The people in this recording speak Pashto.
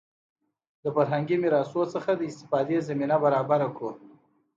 د فرهنګي میراثونو څخه د استفادې زمینه برابره کړو.